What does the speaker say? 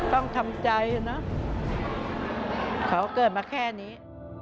ต้องทำใจนะเขาเกิดมาแค่นี้